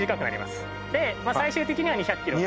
最終的には２００キロ。